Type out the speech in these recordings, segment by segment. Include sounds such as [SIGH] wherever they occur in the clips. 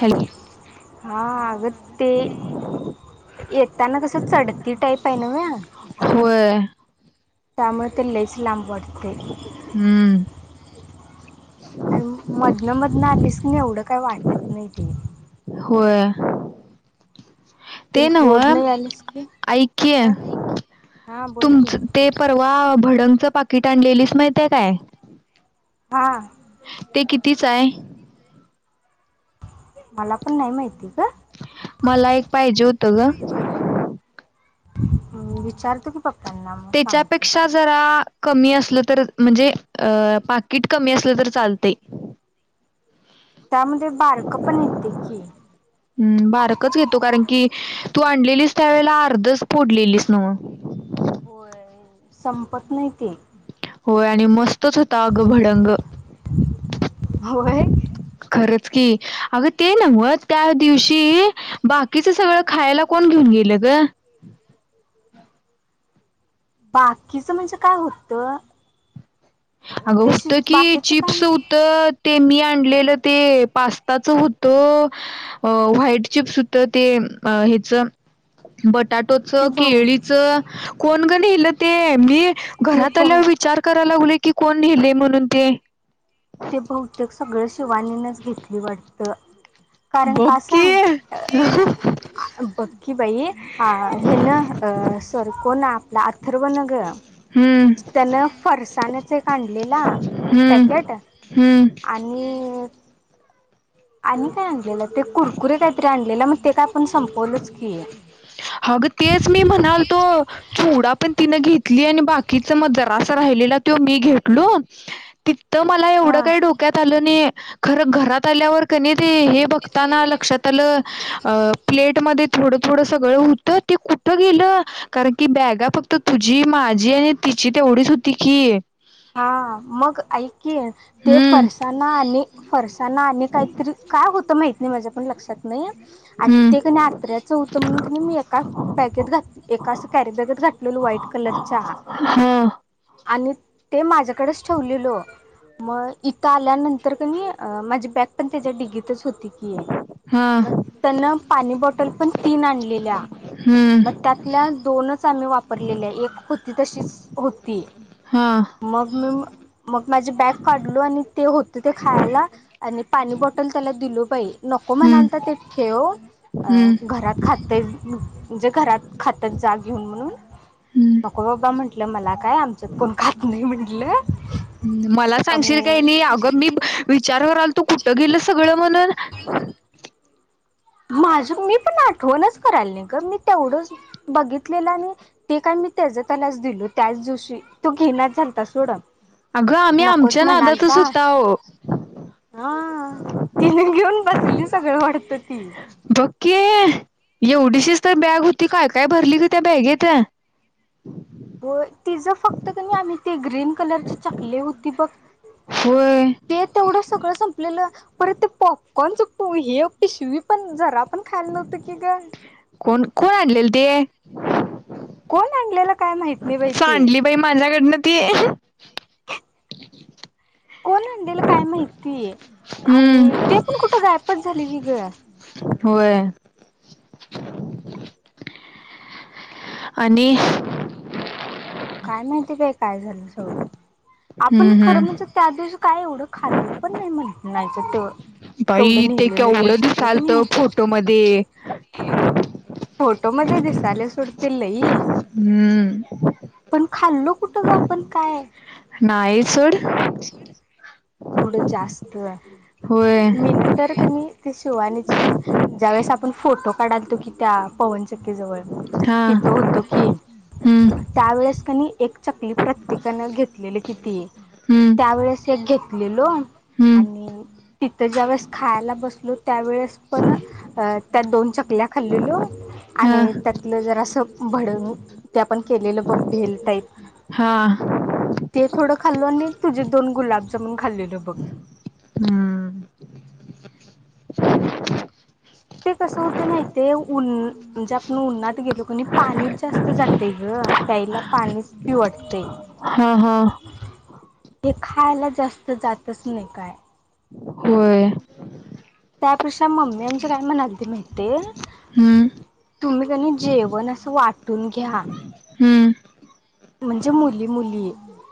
Hello. हा आग ते येताना कसं चढती टाईप आहे ना व होय त्यामुळे ते लईच लांब वाटते. हम्म. आणि मधनं मधनं आलीस की नाही एवढं काही वाटत नाही ते बर. ते रोड नवं नाही आलीस की ऐक्य हा हा बोल की तुमच ते परवा भडंगच पाकिट आणलेलीस माहितेय काय हा. ते कितीच आहे. मला पण नाही माहिती ग मला एक पाहिजे होत ग हम्म विचारते बग. त्याच्यापेक्षा जरा कमी असलं तर म्हणजे अ पाकिट कमी असलं तर चालतेय. त्यामध्ये बारकं पण येते की हम्म बारकच घेतो कारण की तू आणि लीली त्यावेला अर्धच फोडलेलीस न मग. होय संपत नाही ते. होय आणि मस्त होता अगं भडंग होय खरच की अगं ते न मुळे त्या दिवशी बाकीच सगळं खायला कोण घेऊन गेले. [INAUDIBLE] बाकीच म्हणजे काय होत. अगं होत की चिप्स होत ते मी आणलेलं ते पास्ताचं होतं अ व्हाईट चिप्स होतं ते बटा ते बहु केळीच कोण ग नेल ते मी ते घरात आल्या बहु विचार कर लागले की कोण नेले म्हणून ते. ते बहुतेक सगळं शिवानीनच घेतली वाटत. कारण बघ का की सांग. बग की बाई, हा हे न अ सर कोण आपला अथर्व न ग हम्म त्यानं फरसानच एक आणलेला हम्म पॅकेट हम्म आणि आणि काय आणलेलं ते कुरकुरे काहीतरी आणलेलं मग ते काय आपण संपवलंच की. अगं तेच मी म्हणाल तो. सोडा पण तिनं घेतली आणि बाकीच मग जरा अस राहिलेला तो मी घेतलो. तर मला एवढं हा काही डोक्यात आलं नाहीय खरं घरात आल्यावर कणी ते हे बघताना लक्षात आलं प्लेट म थोडं थोड सळ होत ते कुठ गेलं कारण की बॅगा फक्त तुझी माझी आणि तिची तेवढीच हो ती की हा मग ऐके ते हम्म फरसाना आणि फरसा त्यांना आणि काहीतरी काय होतं माहित नाही माझ्या पण लक्षात नाही आणि ते क हम्म आत्र्याच होतं म्हणून मी एका बॅगेत घात एका अस कॅरी बॅग घातले व्हाईट कलरच्याचा हा आणि ते माझ्याकडेच ठेवलेलो मग इ तर आल्यानंतर क माझी बॅग पण त्याच्या डिगीतच होती की ये हा मग त्यांना पाणी बॉटल पण तीन आणलेल्या मग हम्म त्यातल्या दोनच आम्ही वापरलेले एक होती तशीच होती हा मग मी मन मग माझे बॅग काढलो आणि ते होत ते खाला आणि पाणी बॉटल त्याला दिलो पाहि नको हम्म म्हणालता ते ठेव अ हम्म घरात खात म्हणजे घरात खातात जाग घेऊन म्हणून हम्म नको बाबा म्हंटलं मला काय आमच्यात कोण खात नाही म्हटलं ह मला सांगशील काय नाही अगं मी विचार कराल तू कुठं गेलं सगळं म्हणून [INAUDIBLE] माझ मी पण आठवणच करायल नाही ग मी तेवढं बघितलेलं आणि ते काही त्याना दि त्याच दिवशी तो घेणार लता सोड अगं आम्ही नकोच आमच्या नादातच म्हणालता होता अहो हा तिने घेऊन बसली सगळं वाटत ती पक्की एवढीशीच तर बॅग होती काय काय भरली क त्या बॅगच हो तिचं फक्त क नाही आम्ही ती ग्रीन कलरची चकली होती बघ होय ते तेवढं सगळं संपलेलं परत ते पॉप कोणचं हे टी शिवी पण जरा पण खायला नव्हतं की ग कोण कोण आणलेल ते आणला काय माहिती सांडली बाई माझ्याकडनं ती कोण आणडेला काय माहिती आणि हम्म ते पण कुठं गायपच झाले ती ग होय आणि काय माहिती बे काय झालं सगळं आपण हम्म खरं हम्म म्हणजे त्या दिवशी काय एवढं खाल्लो पण नाही म्हणे नाहीच तो बाई ते केवढं दिसालत नाही फोटो म फोटो मध्ये दिसाले सुडतील नाहीे हम्म खाल्लो कुठं ग आपण काय नाहीचड एवढं जास्त होय मीन तर कमी ते शिवानीची ज्या वेळेस आपण फोटो काढालतो की त्या पवनचक्ककीजवळ हा तितो होतो की हम्म त्या वेळेस कनी एक चकली प्रत्येकानं घेतलेली किती आहे हम्म त्यावेेळेस हे घेतलेलो हम्म आणि तिथं ज्या वेळेस खायला बसलो त्यावेेळेस पण अ त्या दोन चकल्या खाल्लेलो हा आणि त्यातलं जर असं भड ते आपण केलेलं बघ भेल टाईप हा ते थोडं खालेलं आणि तुझे दोन गुलाबजामन खाल्ले बघ हम्म ते कसं होते माहीते उन म्हणजे आपण उन्हात गेलो की पाणी जास्त जाते ग प्यायला पाणीच पिऊ वाटतंय हा हा हे खायला जास्त जातच नाही काय होय त्यापेक्षा मम्मी आमची काय म्हणत होती माहीते हम्म तुम्ही त्यांनी जेवण असं वाटून घ्या हम्म म्हणजे मुली मुली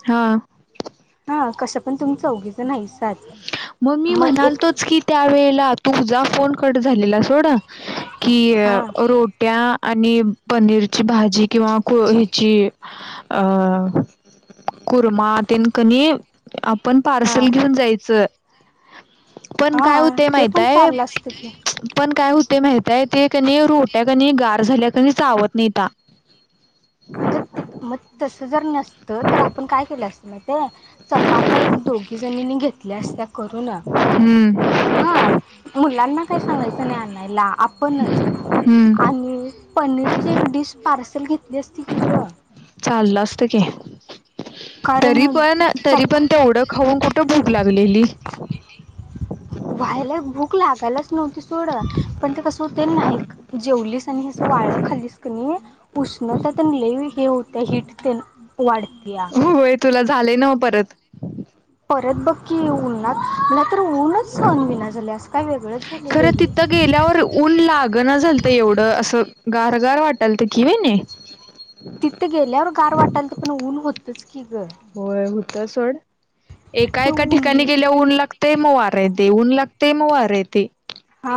हा हा कस पण तुम्ही चौघी जणी आहेसा मग मी म्हणालतोच की त्या वेळेला तुझा फोन कट झालेला सोड कि हा रोट्या आणि पनीरची भाजी किंवा खो ह्याची अ कुर्मा तेन कनी आपण आपण हा पार्सल घेऊन जायचं पण काय हा होतय ते पण माहितय चाललं असतं की पण काय होते माहितय ते कणी रोट्या कणी गार झाल्या की चावत नाहीता अगत मग तस जर नसत तर आपण काय केलं असत माहितेय चपात्या एक दोघीजणींनी घेतल्या असत्या करुन हम्म हा मुलांना काही सांगायचं नाही आणायला आपणच हम्म आणि पनीरची एक डिश पार्सल घेतली असती की ग चाललं असत की कारण तरी पण तरी चपात्या पण तेवढं खाऊन कुठ भूक लागलेली व्हायला भूक लागायलाच नव्हती सोडत पण ते कसं होते नाही जेवलीस आणिं वाळ खालीस की नाहि ऊष्णता पण लय हे होत हिट ते वाढतीय होय तुला झाले ना परत परत बक्की उनणार नाही तर ऊनच [UNINTELLIGIBLE] विना झाले असं काय वेगळंच झाले रे खरं हे तिथं गेल्यावर ऊन लागण झालत एवढं असं गार गार वाटल तर घेऊन ये [UNINTELLIGIBLE] तेच की ग ते सोड एका ते एका ठिकाणी ऊन गेल्या ऊन लागतेय मग वारेन देऊन लागतेय मग वार येतय हा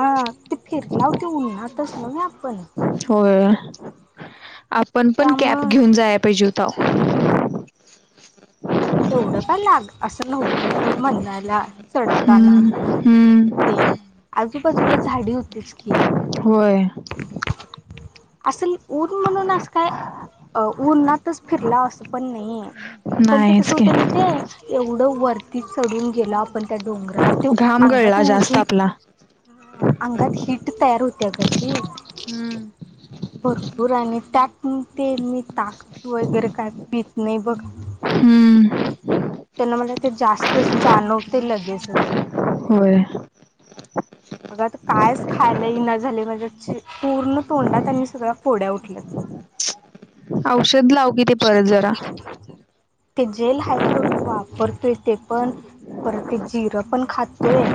ते फिरला होती उन्हातच न् आपण होय आपण पण कॅब त्यामुळं घेऊन जाय पाहिजे होता तेवढं काय लाग असं नव्हतं सोड म्हणणायला चढताना हम्म हम्म तेन आजूबाजूला झाडी होतीच की होय असल ऊन म्हणूनस काय अ उन्हातच फिरला असं पण नाहीये पण ते कस नाहीच होत घे माहीते एवढं वरती चढून गेला आपण त्यांच्याकडं डोंगरा ते घाम अंगात गळला जास्त हिट आपला अंगात हिट तयार होते अगशी हम ह [INAUDIBLE] भरपूर आणि त्यात ते मी ताक वगैरे काय पित नाही बघ हम्म त्यांना मला ते जास्तच जाणवते लगेचच होय आग कायच खायलाही न झाले म्हणजे पूर्ण तोंडात त्यांनी सगळ्या फोड्या उठल्यात बघ औषध लाव कि ते परत जरा ते जेल हाय सोडून वापरतोय ते पण परत ते जिरं पण खातोय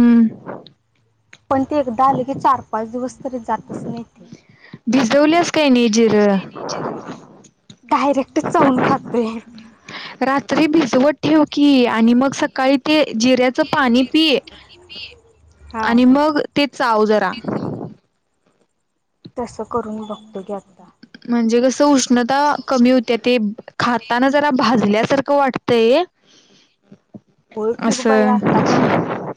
हम्म पण ते एकदा आले की चार पाच दिवस तरी जातच नाही ते भिजवल्यास काय नाही जिरं डायरेक्ट चावून खातोय रात्री भिजवत ठेव की आणि मग सकाळी ते जिऱ्याच पाणी पि हा आणि मग ते चाव जरा तसं करून बघतो की आता म्हणजे कसं उष्णता कमी होत्या ती खाताना जरा भाजून तल्यासारखं वाटतय [UNINTELLIGIBLE] ओळख की ग बाई आता पण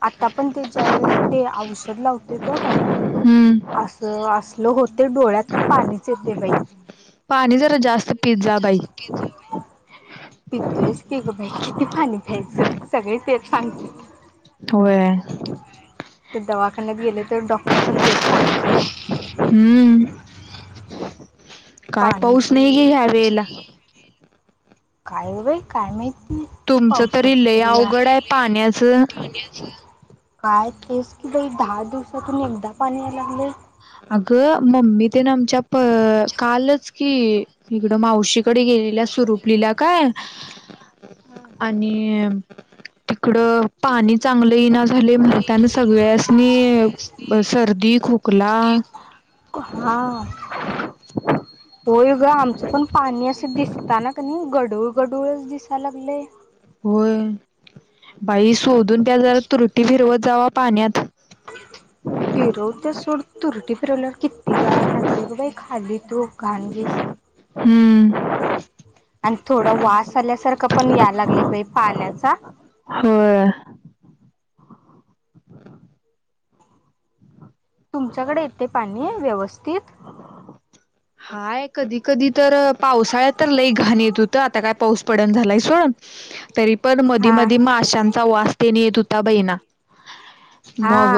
आता पण ते ज्या वेळेस ते औषध लावते बघ हम्म असं हसलं होते डोळ्यातून पाणीच येते बाई पाणी जरा जास्त पीत जा बाई पितेच की ग बाई किती पाणी प्यायचं सगळे ते सांगतात होय ते दवाखान्यात गेले तर डॉक्टर पण तेच सांगते हम्म काय पाणी पाऊस नाहीये पी ह्या वेळेला काय ग बाई काय माहित तुमचं तरी लय अवघड आहे पाण्याचं काय तेच कि बाई दहा दिवसातून एकदा पाणी याय लागले अगं मम्मी ते आमच्या कालच कि इकडं मावशीकडे गेलेल्या सुरुपिला काय हम्म. आणि इकड पाणी चांगलं इना झाले म्हणून त्याना सगळ्यासनी सर्दी खूप हला [UNINTELLIGIBLE] हा होय ग आमचं पण पाणी असं दिसताना की नाही गढूळ गढूळच दिसायला लागलेय होय बाई सोधुन द्या जरा तरुटी फिरवत जावा पाण्यात फलावर किती गाळ राहते क बाई खाली तू घाणगीस [UNINTELLIGIBLE] हम्म आणि थोडा वास आल्यासारखा पण या लागले बाई पाण्याचा हो तुमच्याकडे येते पाणी व्यवस्थित हाय कधी कधी तर पावसाळ्यात तर लई घाण येत होतं आता काय पाऊस पडण झालाय सोडण तरी पण मधी हा मधी म आशांचा वास त्यांने येत होता बहीणा हा मग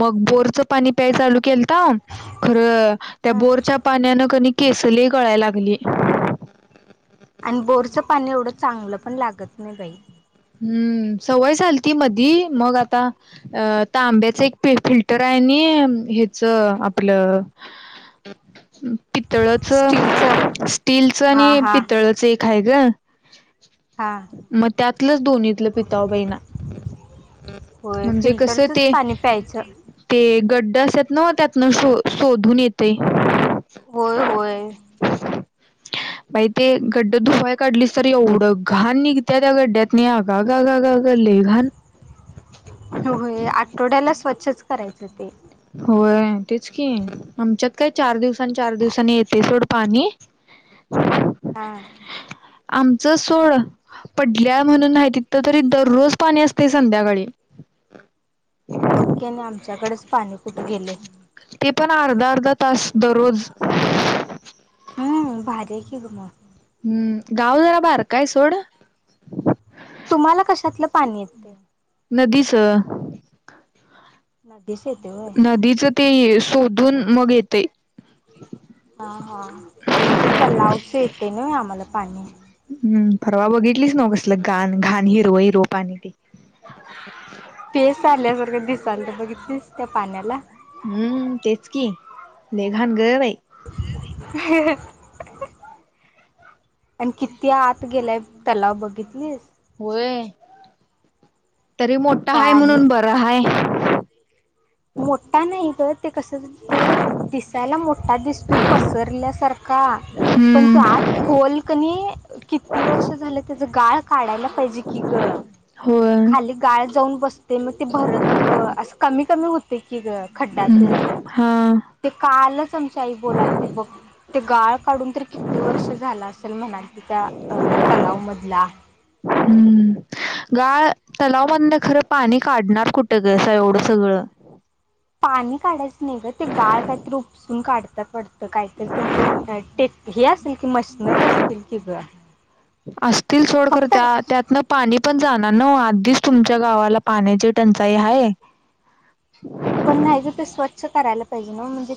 मग बोरचं पाणी प्याय चालू केलं खर त्या हा बोरच्या क केसली कळाय लागली [UNINTELLIGIBLE] आणि बोरचं पाणी एवढं चांगलं पण लागत नाही बाई हम्म सवय झालती मधी मग आता तांब्याचं एक फिल्टर आहे हेच आपलं पितळाच स्टीलच स्टीलचं हा आणि हा पितळाच स्टील एक आहे ग हा मग त्यातलंच दोन्हीतलं पिता बहिणा होय म्हणजे कस ते फिल्टरचच ते पाणी प्यायचं. ते गड्डा असतात ना, त्यातून शोधून येतंय. होय होय. बाई ते गड्डा धुवायला काढलीस न तरी एवढी घाण घाण निघत्या गड्यातनी आगा ग ग ग लय घाण हो होय आठवड्याला स्वच्छच करायचं ते होय तेच की आमच्यात काय चार दिवसांनी चार दिवसांनी येते सोड पाणी हा. आमचं सोड पडल्या म्हणून नाही तिथं तरी दररोज पाणी असते संध्याकाळी बघकी आणि आमच्याकडेच पाणी कुठे गेले. [UNINTELLIGIBLE] ते पण अर्धा अर्धा तास दर रोज हम भारी आहे कि ग मग. हम्म गाव जरा बारका हाय सोड तुम्हाला कशातलं पाणी येते? तर. म नदीच ते शोधून मग येते हा हा आमच तलावच येते ना आम्हाला पाणी हम् परवा बघितलीस नवं कसल गान घाण हिरव हिरव पाणी ते पेस आल्यासारखं दिसालत बघितलीस त्या पाण्याला हम्म तेच कि लय घान ग बाई. ह [UNINTELLIGIBLE] आणि किती आत गेलाय तलाव बघितलीस? होय तरी मोठा का हाय आणि म्हणून बरं हाय मोठा नाही तर ते कस ते दिसायला मोठा दिसतो पसरल्यासारखा का पण ते आत हम्म. खोल कनी किती वर्ष झालं त्याच गाळ काढायला पाहिजे की ग, होय खाली गाळ जाऊन बसलय ते मग ते भरत असं कमी कमी होते की खडड्डा तो हम्म हा ते कालच आमचं बोलालतित बघ गाळ काढून तर किती वर्ष झाला असेल म्हणालतीतत्या तलाव मधला हम्म. गाळ तलावमधनं खरं पाणी काढणार कुठं कसं एवढं सगळं पाणी काढायचं नाही ग, ते गाळ काय तर उपसुन तून काढत काहीतरी त्यांचं काहीतर टेक असते मशनरी असतील की ग असतील सोड कर फक्त त्या त्यातन पाणी पण जानार न्हव आधीच तुमच्या गावाला पाण्याची टंचाई आहे पण नाही तर ते स्वच्छ करायला पाहिजे ना म्हणजे